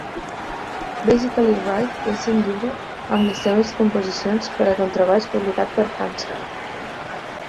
"Basically Wright" és un llibre amb les seves composicions per a contrabaix publicat per Hansen.